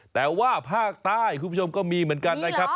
แต่ว่าภาคใต้คุณผู้ชมก็มีเหมือนกันนะครับ